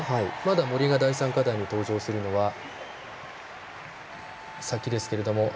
森が第３課題に登場するのは先ですが。